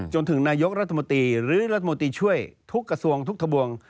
จนถึงนายกรัฐมนตรีหรือรัฐมนตรีช่วยทุกกระทรวงทุกทบวง